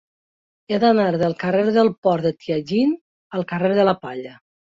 He d'anar del carrer del Port de Tianjin al carrer de la Palla.